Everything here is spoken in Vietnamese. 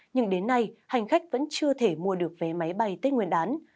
nhưng đến nay hành khách vẫn chưa thể mua được vé máy bay tết nguyên đán